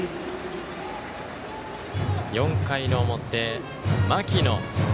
４回の表、牧野。